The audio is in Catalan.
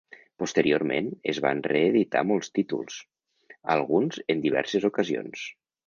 Posteriorment es van reeditar molts títols, alguns en diverses ocasions.